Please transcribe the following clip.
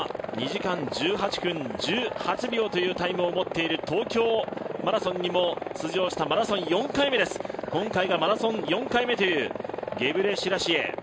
２時間１８分１８秒というタイムを持っている東京マラソンにも出場した今回がマラソン４回目というゲブレシラシエ。